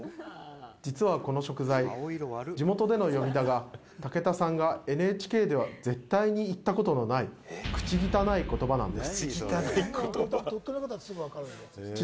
実はこの食材、地元での呼び名が、武田さんがＮＨＫでは絶対に行ったことのない口汚い言葉なんです。